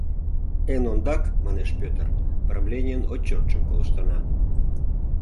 — Эн ондак, — манеш Пӧтыр, — правленийын отчётшым колыштына.